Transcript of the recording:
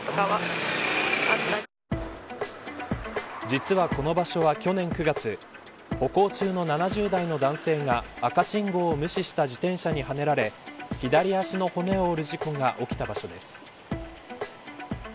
実は、この場所は去年９月歩行中の７０代の男性が赤信号を無視した自転車にはねられ左足の骨を折る事故が起きた場所です。